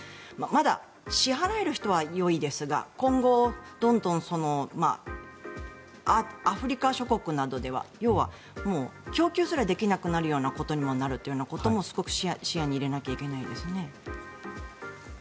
まだ支払える人はいいですが今後、どんどんアフリカ諸国などでは要は供給すらできなくなるようなことになるというのもすごく視野に入れなきゃいけないですね。